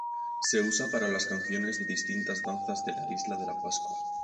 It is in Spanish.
Se usa para las canciones de distintas danzas de la isla de Pascua.